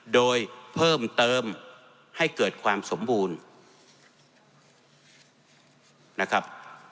โดยเพิ่มเติมให้เกิดความสมบูรณ์นะครับ